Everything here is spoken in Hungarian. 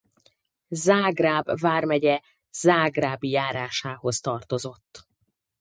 Zágráb vármegye Zágrábi járásához tartozott.